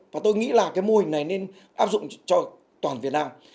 và tôi nghĩ là cái mô hình này nên áp dụng cho toàn việt nam